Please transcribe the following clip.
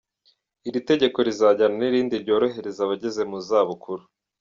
"Iri tegeko rizajyana ni rindi ryorohereza abageze mu zabukuru.